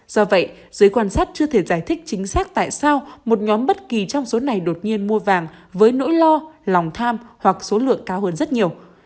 do vậy giới quan sát chưa thể giải thích chính xác tại sao một nhóm bất kỳ trong số này đột nhiên mua vàng với nỗi lo lòng tham hoặc số lượng cao hơn rất nhiều